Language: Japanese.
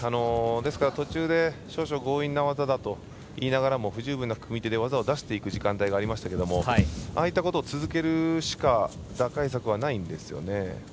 ですから途中で少々強引な技だといいながらの不十分な組み手で技を出していく時間がありましたけどああいったことを続けるしか打開策はないんですよね。